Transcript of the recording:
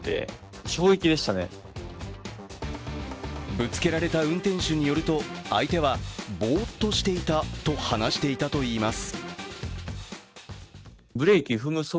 ぶつけられた運転手によると相手はぼーっとしていたと話していたといいます。